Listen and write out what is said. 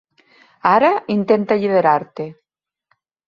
Ara intenta alliberar-te.